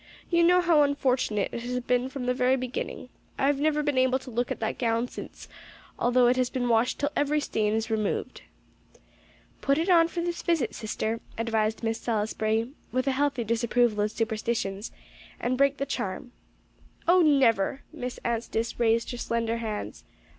"You know how unfortunate it has been from the very beginning. I've never been able to look at that gown since, although it has been washed till every stain is removed." "Put it on for this visit, sister," advised Miss Salisbury, with a healthy disapproval of superstitions, "and break the charm." "Oh, never!" Miss Anstice raised her slender hands.